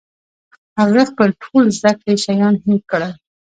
هغه خپل ټول زده کړي شیان هېر کړل